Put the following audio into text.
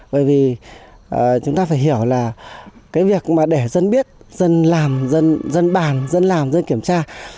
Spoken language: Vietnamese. bởi vì chúng ta phải hiểu là cái việc mà để dân biết dân làm dân bàn dân làm dân kiểm tra